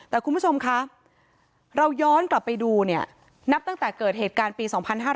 แต่คุณผู้ชมคะเราย้อนกลับไปดูเนี่ยนับตั้งแต่เกิดเหตุการณ์ปี๒๕๕๙